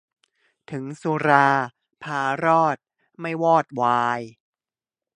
ถึงสุรา พารอด ไม่วอดวาย